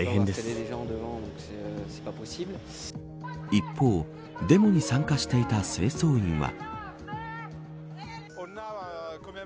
一方デモに参加していた清掃員は。